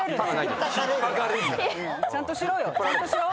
ちゃんとしろよ。